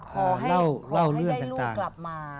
ขอให้ได้ลูกกลับมา